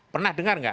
pernah dengar tidak